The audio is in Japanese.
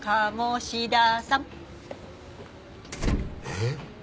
えっ？